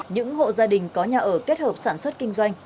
những hộ gia đình có nhà ở kết hợp sản xuất kinh doanh